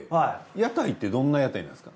屋台ってどんな屋台なんすか？